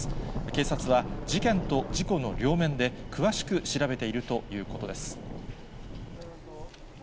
警察は、事件と事故の両面で詳しく調べているということです。